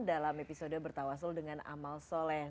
dalam episode bertawasul dengan amal soleh